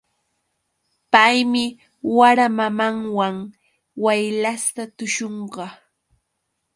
Paymi wara mamanwan waylasta tuśhunqa.